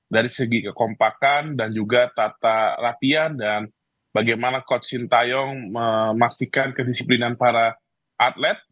dari segi kekompakan dan juga tata latihan dan bagaimana coach sintayong memastikan kedisiplinan para atlet